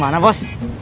mau kemana bos